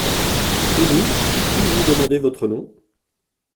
Et vous, puis-je vous demander votre nom ?